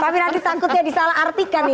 tapi nanti sangkutnya disalah artikan ini